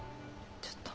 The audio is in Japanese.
ちょっと。